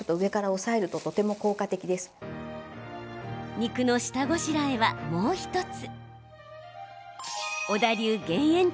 肉の下ごしらえは、もう１つ。